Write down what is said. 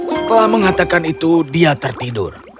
setelah mengatakan itu dia tertidur